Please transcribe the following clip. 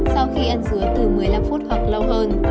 sau khi ăn dứa từ một mươi năm phút hoặc lâu hơn